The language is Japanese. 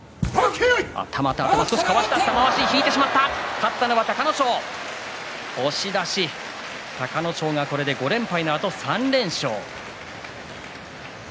勝ったのは隆の勝、押し出し隆の勝がこれで５連敗のあと３連勝。